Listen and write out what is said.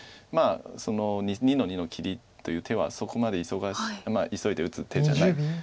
まあその２の二の切りという手はそこまで急いで打つ手じゃない。